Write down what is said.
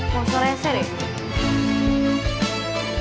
mau sereset ya